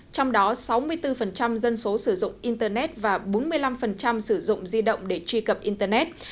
trong đó sáu mươi bốn dân số sử dụng internet và bốn mươi năm sử dụng di động để truy cập internet